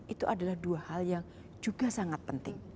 itu adalah dua hal yang juga sangat penting